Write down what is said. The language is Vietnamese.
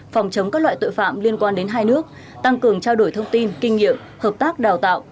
phòng chống các loại tội phạm liên quan đến hai nước tăng cường trao đổi thông tin kinh nghiệm hợp tác đào tạo